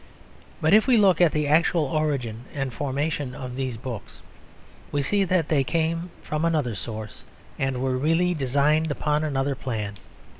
But if we look at the actual origin and formation of these books we see that they came from another source and were really designed upon another plan.